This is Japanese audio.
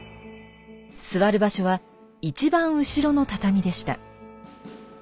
座る場所は一番後ろの畳でした。